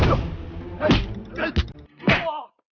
itu juga terbaik ya